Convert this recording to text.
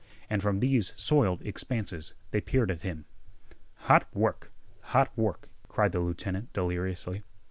And from these soiled expanses they peered at him. "Hot work! Hot work!" cried the lieutenant deliriously.